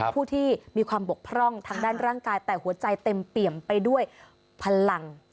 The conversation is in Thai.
ผู้ที่มีความบกพร่องทางด้านร่างกายแต่หัวใจเต็มเปี่ยมไปด้วยพลัง